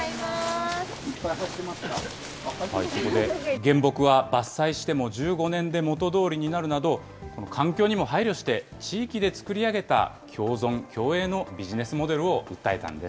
原木は伐採しても１５年で元どおりになるなど、環境にも配慮して、地域で作り上げた共存共栄のビジネスモデルを訴えたんです。